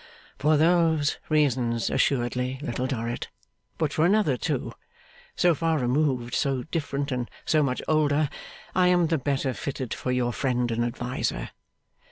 'For those reasons assuredly, Little Dorrit, but for another too. So far removed, so different, and so much older, I am the better fitted for your friend and adviser.